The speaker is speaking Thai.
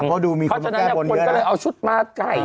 เพราะฉะนั้นคนก็เลยเอาชุดมาไก่